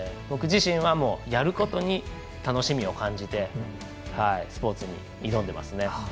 僕自身は、やることに楽しみを感じてスポーツに挑んでますね。